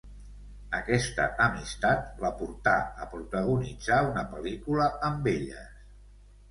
Aquesta amistat la portà a protagonitzar una pel·lícula amb elles.